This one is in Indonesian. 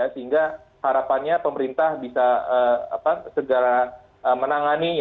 sehingga harapannya pemerintah bisa segera menangani